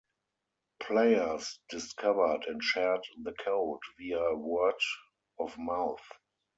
Players discovered and shared the code via word of mouth.